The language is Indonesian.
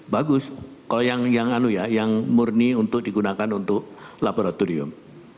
bagus kalau yang murni untuk digunakan untuk laboratorium